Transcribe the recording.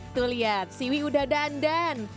tuh lihat siwi udah dandan